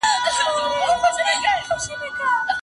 هغه سړي خپل دښمن ته بخښنه وکړه.